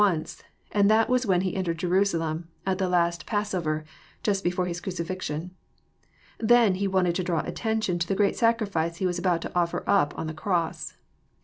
once, and that was when He entered Jemsalem, at the last pass« over, Jast before His crucifixion. Then He wanted to draw at tention to the great sacrifice He was about to offer up on the crobS.